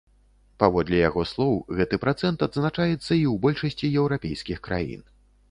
Паводле яго слоў, гэты працэнт адзначаецца і ў большасці еўрапейскіх краін.